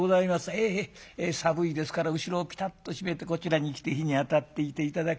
へえへえ寒いですから後ろをピタッと閉めてこちらに来て火にあたっていて頂く。